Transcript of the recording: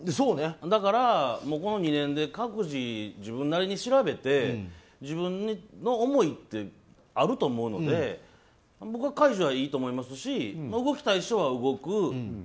だから、この２年で各自自分なりに調べて自分の思いってあると思うので僕は解除はいいと思いますし動きたい人は動く。